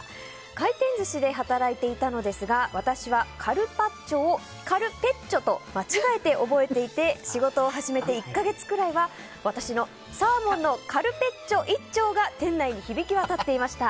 回転寿司で働いていたのですが私はカルパッチョをカルペッチョと間違えて覚えていて仕事を始めて１か月くらいは私のサーモンのカルペッチョ１丁！が店内に響き渡っていました。